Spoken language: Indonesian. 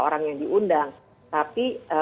orang yang diundang tapi